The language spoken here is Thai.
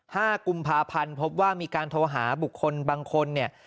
ห้ากุมภาพันธ์พบว่ามีการโทรหาบุคคลบางคนเนี่ย